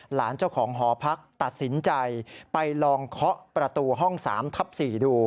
หลานเจ้าของหอพักตัดสินใจไปลองเคาะประตูห้อง๓ทับ๔ดู